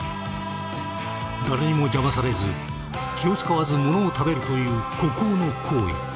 誰にも邪魔されず気を遣わずものを食べるという孤高の行為。